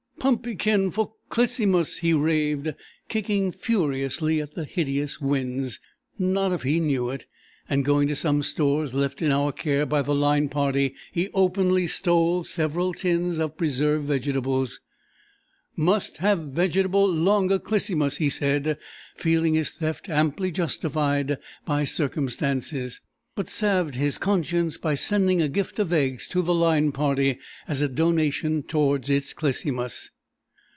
"Pumpee kin for Clisymus!" he raved, kicking furiously at the hideous wens. Not if he knew it! and going to some stores left in our care by the Line Party, he openly stole several tins of preserved vegetables. "Must have vegetable longa Clisymus," he said, feeling his theft amply justified by circumstances, but salved his conscience by sending a gift of eggs to the Line Party as a donation towards its "Clisymus."